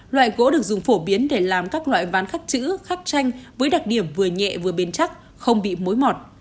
loại gỗ được dùng phổ biến để làm các loại ván khắc chữ khắc chanh với đặc điểm vừa nhẹ vừa biến chắc không bị mối mọt